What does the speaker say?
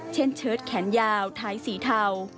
เชิดแขนยาวท้ายสีเทา